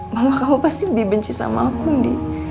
mama kamu pasti lebih benci sama aku ndi